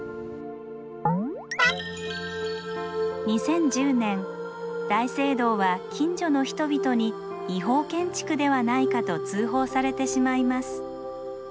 ２０１０年大聖堂は近所の人々に違法建築ではないかと通報されてしまいます。